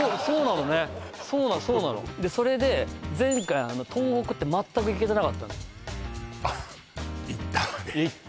そうなのそうなのでそれで前回東北って全く行けてなかったのよ